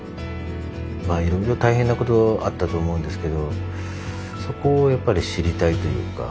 まあいろんな大変なことあったと思うんですけどそこをやっぱり知りたいというか。